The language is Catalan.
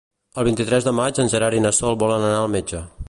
El vint-i-tres de maig en Gerard i na Sol volen anar al metge.